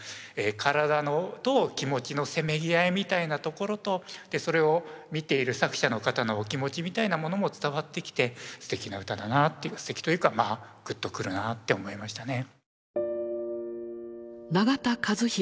体と気持ちのせめぎ合いみたいなところとそれを見ている作者の方のお気持ちみたいなものも伝わってきてすてきな歌だなってすてきというかグッと来るなって思いましたね。